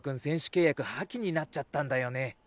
契約破棄になっちゃったんだよね。